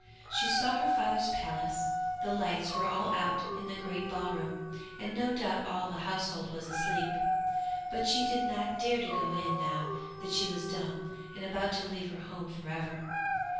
She saw her father's palace; the lights were all out in the great ballroom, and no doubt all the household was asleep, but she did not dare to go in now that she was dumb and about to leave her home for ever.